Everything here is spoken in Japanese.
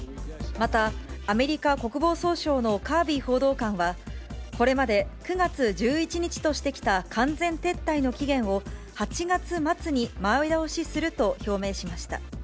また、アメリカ国防総省のカービー報道官は、これまで９月１１日としてきた完全撤退の期限を、８月末に前倒しすると表明しました。